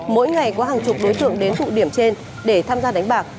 mỗi ngày có hàng chục đối tượng đến tụ điểm trên để tham gia đánh bạc